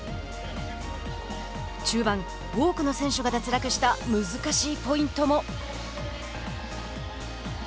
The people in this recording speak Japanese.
中盤、多くの選手が脱落した難しいポイントも。